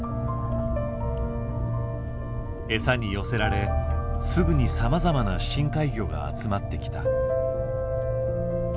餌に寄せられすぐにさまざまな深海魚が集まってきた。